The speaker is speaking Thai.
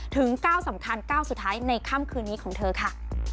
ถึงก้าวสำคัญก้าวสุดท้ายในค่ำคืนนี้ของเธอค่ะ